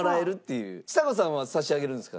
ちさ子さんは差し上げるんですか？